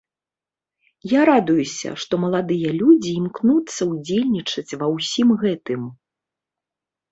Я радуюся, што маладыя людзі імкнуцца ўдзельнічаць ва ўсім гэтым.